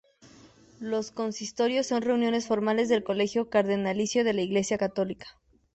Los consistorios son reuniones formales del Colegio Cardenalicio de la Iglesia católica.